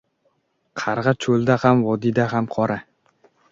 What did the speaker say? • Qarg‘a cho‘lda ham, vodiyda ham qora.